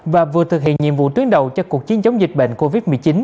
và vừa thực hiện nhiệm vụ tuyến đầu cho cuộc chiến chống dịch bệnh covid một mươi chín